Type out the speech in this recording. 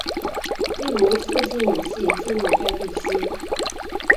例如促进武器进入该地区。